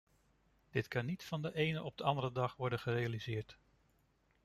Dit kan niet van de ene op de andere dag worden gerealiseerd.